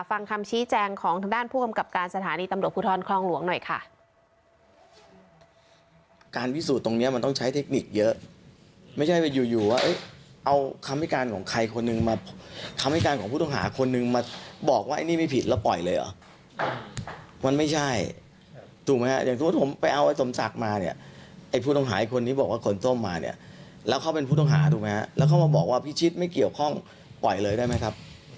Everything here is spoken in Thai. ฟังคำชี้แจงของทางด้านผู้กำกับการสถานีตำรวจภูทรคลองหลวงหน่อยค่ะ